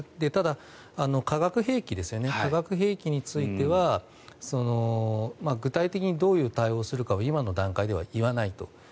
ただ、化学兵器については具体的にどういう対応するかを今の段階では言わないと。